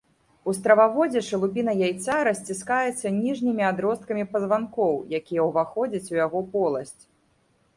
У страваводзе шалупіна яйца расціскаецца ніжнімі адросткамі пазванкоў, якія ўваходзяць у яго поласць.